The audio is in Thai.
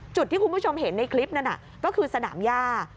จุดที่คุณผู้ชมเห็นในคลิปนั้นก็คือสนามย่า